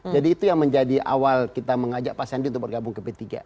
jadi itu yang menjadi awal kita mengajak pak sandi untuk bergabung ke p tiga